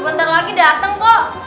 sebentar lagi dateng kok